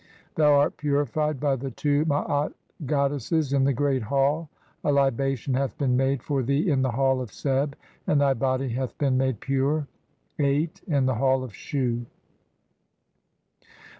Thou art purified by the two Maat god "desses in the Great Hall. A libation hath been made "for thee in the Hall of Seb, and thy body hath been "made pure (8) in the Hall of Shu.